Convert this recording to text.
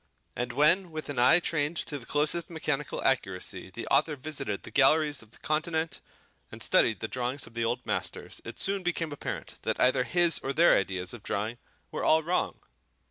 And when with an eye trained to the closest mechanical accuracy the author visited the galleries of the Continent and studied the drawings of the old masters, it soon became apparent that either his or their ideas of drawing were all wrong.